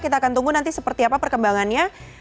kita akan tunggu nanti seperti apa perkembangannya